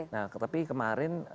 nah tapi kemarin